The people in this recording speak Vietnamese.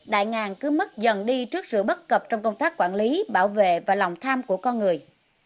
đại ngàn cứ mất dần đi trước sự bất cập trong công tác quản lý bảo vệ và lòng tham của con người